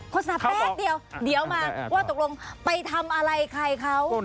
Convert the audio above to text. สาแป๊บเดียวเดี๋ยวมาว่าตกลงไปทำอะไรใครเขา